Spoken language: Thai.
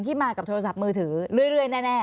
มากับโทรศัพท์มือถือเรื่อยแน่